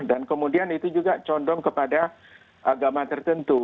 dan kemudian itu juga condong kepada agama tertentu